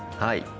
はい。